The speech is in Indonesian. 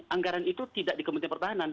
anggaran itu tidak di kementerian pertahanan